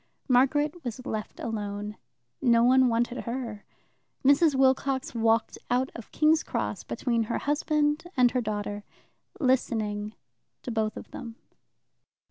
Margaret was left alone. No one wanted her. Mrs. Wilcox walked out of King's Cross between her husband and her daughter, listening to both of them.